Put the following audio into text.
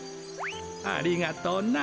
ありがとうな。